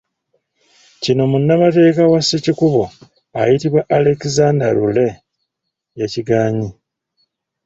Kino munnamateeka wa Ssekikubo, ayitibwa Alexander Lure, yakigaanye.